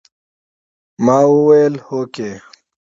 ما وويل هوکې.